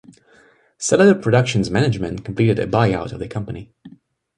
Celador Productions' management completed a buy out of the company.